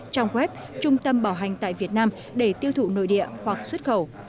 trong web trung tâm bảo hành tại việt nam để tiêu thụ nội địa hoặc xuất khẩu